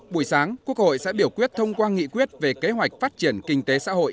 buổi sáng quốc hội sẽ biểu quyết thông qua nghị quyết về kế hoạch phát triển kinh tế xã hội